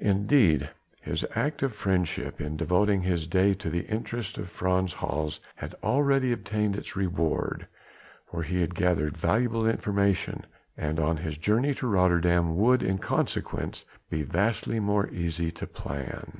Indeed, his act of friendship in devoting his day to the interests of Frans Hals had already obtained its reward, for he had gathered valuable information, and his journey to Rotterdam would in consequence be vastly more easy to plan.